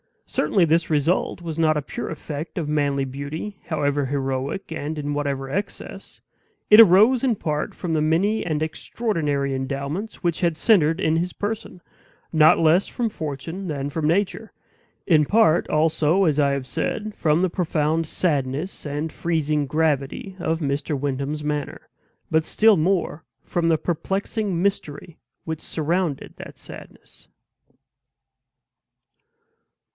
Certainly this result was not a pure effect of manly beauty, however heroic, and in whatever excess; it arose in part from the many and extraordinary endowments which had centered in his person, not less from fortune than from nature; in part also, as I have said, from the profound sadness and freezing gravity of Mr. Wyndham's manner; but still more from the perplexing mystery which surrounded that sadness.